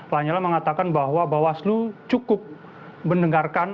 lanyala mengatakan bahwa bawaslu cukup mendengarkan